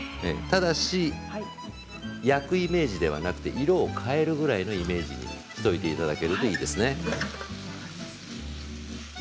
ただし、焼くイメージではなく色を変えるくらいのイメージにしていただくといいですね。